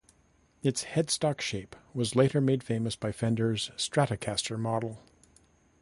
Its headstock shape was later made famous by Fender's Stratocaster model.